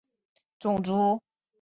以下为无尽的任务所出现的种族。